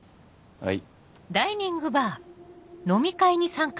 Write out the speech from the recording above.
はい。